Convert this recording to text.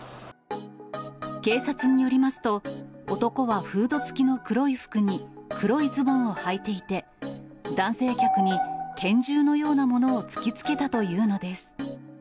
警察によりますと、男はフード付きの黒い服に黒いズボンをはいていて、男性客に、拳銃のようなものを突きつけたというのです。